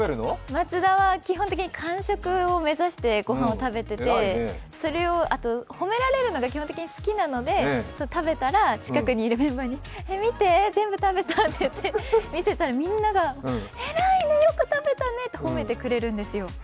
松田は基本的に完食を目指してご飯を食べててあと褒められるのが基本的に好きなので、食べたら近くにいるメンバーに「見て、全部食べた」って見せたら、みんなが偉いね、よく食べたねって褒めてくれるんですよ。